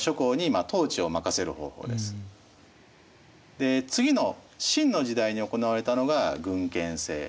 で次の秦の時代に行われたのが郡県制。